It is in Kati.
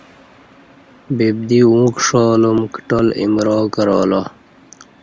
ببدی اوں کݜالوم کٹال ایمرا کرالا